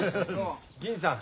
銀次さん